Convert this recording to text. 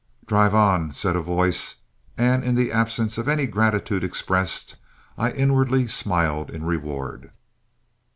"Drive on," said a voice, and, in the absence of any gratitude expressed, I inwardly smiled in reward.